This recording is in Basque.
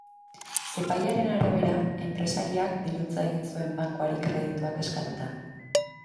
Epaiaren arabera, enpresariak dirutza egin zuen bankuari kredituak eskatuta.